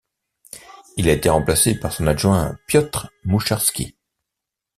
Il a été remplacé par son adjoint Piotr Mucharski.